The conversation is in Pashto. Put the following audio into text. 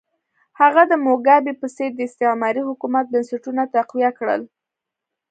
هغه د موګابي په څېر د استعماري حکومت بنسټونه تقویه کړل.